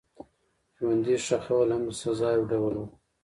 ژوندي ښخول هم د سزا یو ډول و.